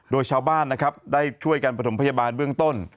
โดยชาวบ้านนะครับได้ช่วยกันประถมพยาบาลเบื้องต้น